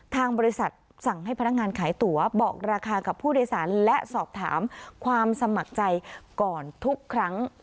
ทางบริษัทสั่งให้พนักงานขายตั๋วบอกราคากับผู้โดยสารและสอบถามความสมัครใจก่อนทุกครั้ง